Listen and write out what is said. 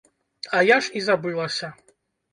А я ж і забылася!